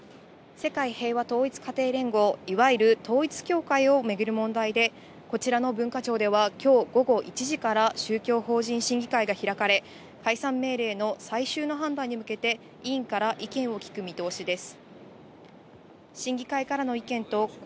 世界平和統一家庭連合、いわゆる統一教会を巡る問題で、こちらの文化庁ではきょう午後１時から宗教法人審議会が開かれ、解散命令の最終の判断に向けて、委員から意見を聞く見通しです。